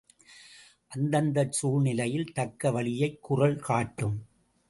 அந்தந்தச் சூழ்நிலையில் தக்க வழியை, குறள் காட்டும்!